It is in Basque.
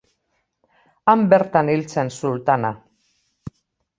Han bertan hil zen sultana.